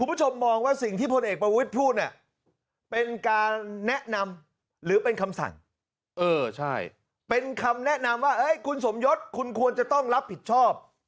มันต้องมีทอดร่วมกันเมื่อแล้วในยกประวัติภูมิมันจะต้องกลับออก